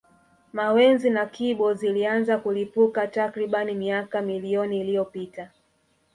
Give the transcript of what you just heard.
Mawenzi na Kibo zilianza kulipuka takriban miaka milioni iliyopita